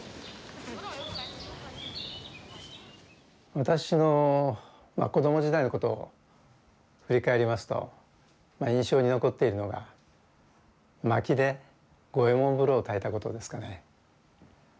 私の子ども時代のことを振り返りますと印象に残っているのが薪で五右衛門風呂をたいたことですかね。